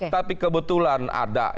tapi kebetulan ada